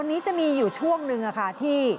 อันนี้จะมีอยู่ช่วงนึงค่ะที่